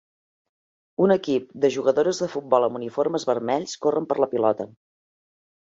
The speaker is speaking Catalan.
Un equip de jugadores de futbol amb uniformes vermells corren per la pilota.